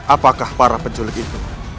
apakah para penculik itu